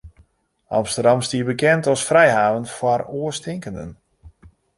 Amsterdam stie bekend as frijhaven foar oarstinkenden.